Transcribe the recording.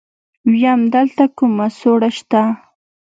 ويم دلته کومه سوړه شته.